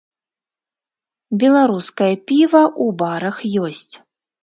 Беларускае піва ў барах ёсць.